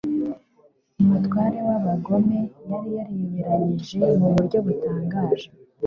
Umutware w'abagome yari yariyoberanije mu buryo butangaje